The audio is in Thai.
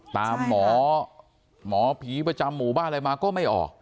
ตามหมอหมอผีประจำหมู่บ้านอะไรมาก็ไม่ออก